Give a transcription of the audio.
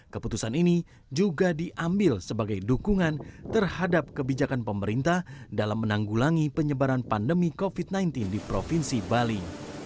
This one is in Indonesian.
keputusan ini juga diambil sebagai dukungan terhadap kebijakan pemerintah dalam menanggulangi penyebaran pandemi covid sembilan belas di provinsi bali